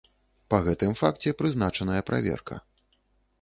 Па гэтым факце прызначаная праверка.